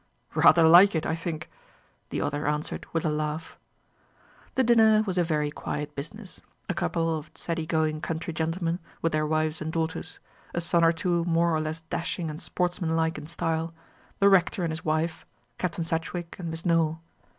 "Rather like it, I think," the other answered with a laugh. The dinner was a very quiet business a couple of steady going country gentlemen, with their wives and daughters, a son or two more or less dashing and sportsmanlike in style, the rector and his wife, Captain Sedgewick and Miss Nowell.